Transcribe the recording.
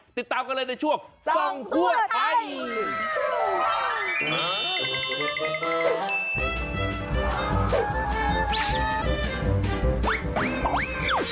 ติดตามกันเลยในช่วงส่องทั่วไทย